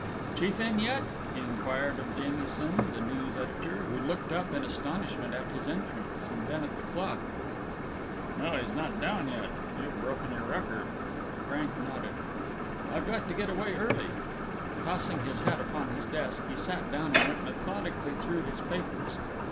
"Chief in yet?" he inquired of Jamieson, the news editor, who looked up in astonishment at his entrance, and then at the clock. "No, he's not down yet. You've broken your record." Frank nodded. "I've got to get away early." Tossing his hat upon his desk, he sat down and went methodically through his papers.